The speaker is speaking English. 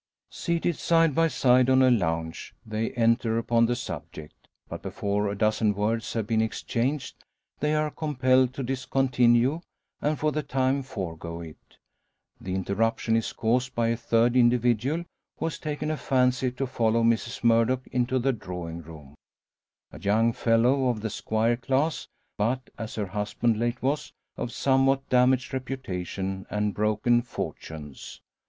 Seated side by side on a lounge, they enter upon the subject. But before a dozen words have been exchanged they are compelled to discontinue, and for the time forego it. The interruption is caused by a third individual, who has taken a fancy to follow Mrs Murdock into the drawing room; a young fellow of the squire class, but as her husband late was of somewhat damaged reputation and broken fortunes.